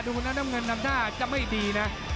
ดูนะน้ำเงินทำหน้าจะไม่ดีนะ